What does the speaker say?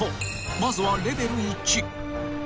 ［まずはレベル１］